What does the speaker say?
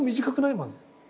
まず。